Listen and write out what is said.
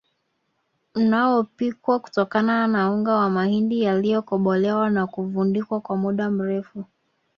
unaopikwa kutokana na unga wa mahindi yaliyokobolewa na kuvundikwa kwa muda mrefu